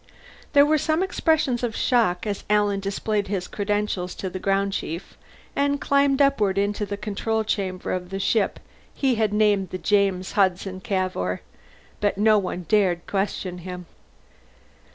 There were some expressions of shock as Alan displayed his credentials to the ground chief and climbed upward into the control chamber of the ship he had named the James Hudson Cavour, but no one dared question him.